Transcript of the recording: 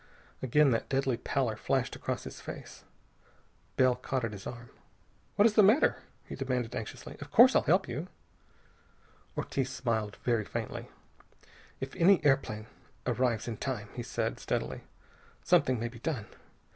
Again that deadly pallor flashed across his face. Bell caught at his arm. "What is the matter?" he demanded anxiously. "Of course I'll help you." Ortiz smiled very faintly. "If any airplane arrives in time," he said steadily, "something may be done.